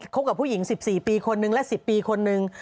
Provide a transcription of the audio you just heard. กับผู้หญิง๑๔ปีคนนึงและ๑๐ปีคนนึง